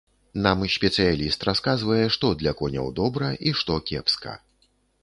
Нам спецыяліст расказвае, што для коняў добра і што кепска.